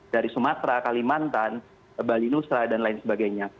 dari sumatera kalimantan bali nusa dan lain sebagainya